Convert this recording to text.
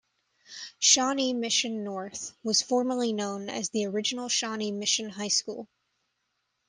Shawnee Mission North was formerly known as the Original Shawnee Mission High School.